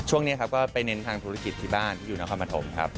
ช่วงนี้ครับก็ไปเน้นทางธุรกิจที่บ้านที่อยู่นครปฐมครับ